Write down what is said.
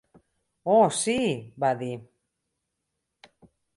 "Oh, sí" va dir.